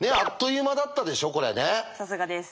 さすがです。